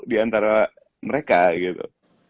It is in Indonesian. diantara mereka gitu